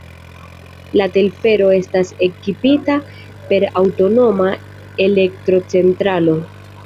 La telfero estas ekipita per aŭtonoma elektrocentralo.